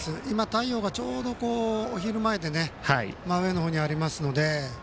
太陽がちょうど、お昼前で真上の方にありますので。